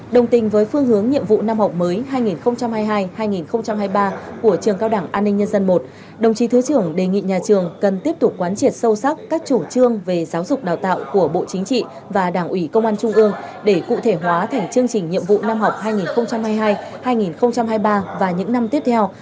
đồng tình với phương hướng nhiệm vụ năm học mới hai nghìn hai mươi hai hai nghìn hai mươi ba của trường cao đảng an ninh nhân dân i đồng chí thứ trưởng đề nghị nhà trường cần tiếp tục quán triệt sâu sắc các chủ trương về giáo dục đào tạo của bộ chính trị và đảng ủy công an trung ương để cụ thể hóa thành chương trình nhiệm vụ năm học hai nghìn hai mươi hai hai nghìn hai mươi ba và những năm tiếp theo